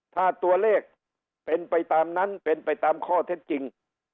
ถ้าตัวเลขเป็นไปตามนั้นเป็นไปตามข้อเท็จจริง